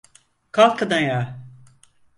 Kalkın ayağa!